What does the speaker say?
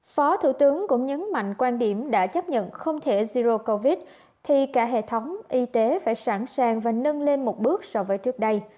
phó thủ tướng cũng nhấn mạnh quan điểm đã chấp nhận không thể zero covid thì cả hệ thống y tế phải sẵn sàng và nâng lên một bước so với trước đây